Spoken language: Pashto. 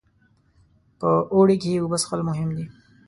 په اوړي کې اوبه څښل مهم دي.